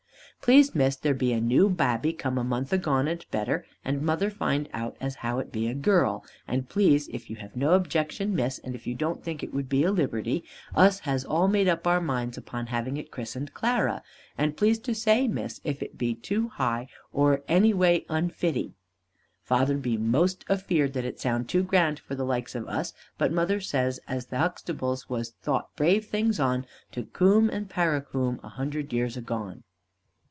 Please Miss, there be a new babby come a month agone and better, and mother find out as how it be a girl, and please if you have no objection Miss, and if you don't think as it would be a liberty, us has all made up our minds upon having it christened Clara, and please to say Miss if it be too high, or any way unfitty. Father be 'most afeared that it sound too grand for the like of us, but mother says as the Huxtables was thought brave things on, to Coom and Parracombe a hundred years agone.